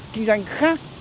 kinh doanh khác